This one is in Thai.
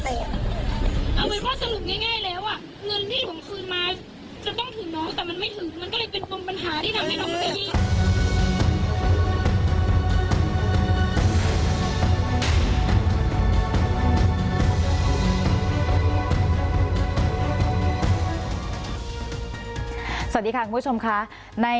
สวัสดีครับทุกคน